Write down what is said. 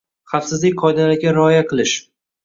Xavfsizlik qoidalariga rioya qilish.